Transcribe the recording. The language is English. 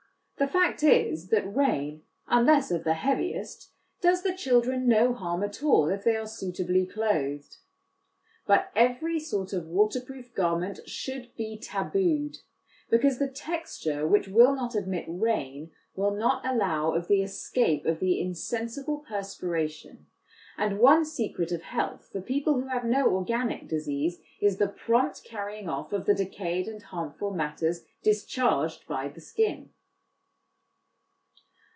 The fact is, that rain, unless of the heaviest, does the children no harm at all if they are suitably clothed. But every sort of waterproof garment should be tabooed, because the texture which will not admit rain will not allow of the escape of the insensible perspiration, and one secret of health for people who have no organic disease is the prompt carrying off of the decayed and harmful matters discharged by the skin.